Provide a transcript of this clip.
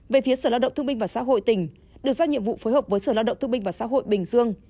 về phía sở lao động thương minh và xã hội tỉnh được giao nhiệm vụ phối hợp với sở lao động thương binh và xã hội bình dương